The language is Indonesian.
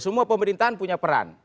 semua pemerintahan punya peran